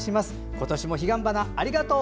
今年も彼岸花どうもありがとう。